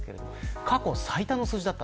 過去最多の数字でした。